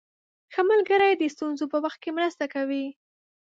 ښه ملګری د ستونزو په وخت کې مرسته کوي.